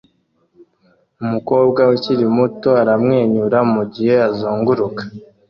Umukobwa ukiri muto aramwenyura mugihe azunguruka